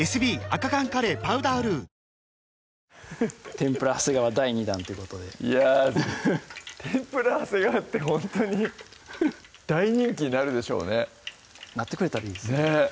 天ぷら長谷川第２弾ということでいや天ぷら長谷川ってほんとに大人気になるでしょうねなってくれたらいいですね